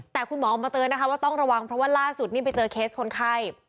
แต่คุณหมอออกมาเตือนนะคะว่าต้องระวังเพราะว่าล่าสุดนี่ไปเจอเคสคนไข้